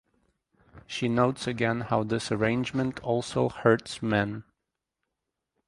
She notes again how this arrangement also hurts men.